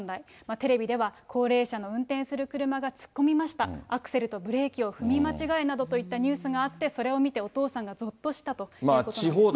テレビでは高齢者の運転する車が突っ込みました、アクセルとブレーキを踏み間違いなどのニュースがあって、それを見てお父さんがぞっとしたということなんですね。